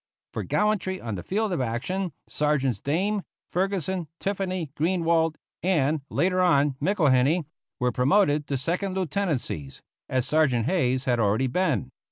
For gallantry on the field of action Sergeants Dame, Ferguson, Tiffany, Greenwald, and, later on, McIlhenny, were promoted to second lieutenancies, as Sergeant Hayes had already been.